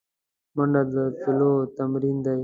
منډه د تلو تمرین دی